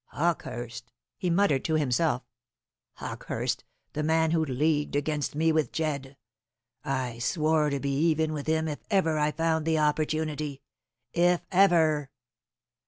"Hawkehurst," he muttered to himself "Hawkehurst, the man who leagued against me with Jedd! I swore to be even with him if ever I found the opportunity if ever!